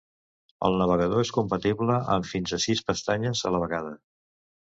El navegador és compatible amb fins a sis pestanyes a la vegada.